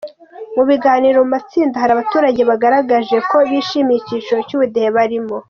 Mu biganiro mu matsinda, hari abaturage bagaragaje ko bishimiye icyiciro cy’ubudehe barimo.